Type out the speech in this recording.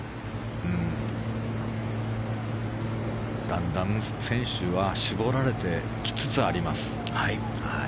だんだん選手は絞られてきつつあります。